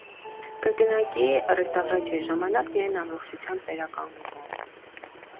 Կրկնակի ռեստավրացիայի ժամանակ միայն ամբողջությամբ վերականգնվում։